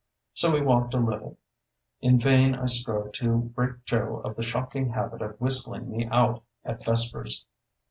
So we walked a little. In vain I strove to break Joe of the shocking habit of whistling me out at vespers.